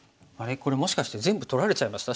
これもしかして全部取られちゃいました？